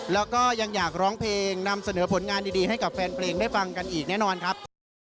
แล้วก็ยังอยากร้องเพลงนำเสนอผลงานดีให้กับแฟนเพลงได้ฟังกันอีกแน่นอนครับ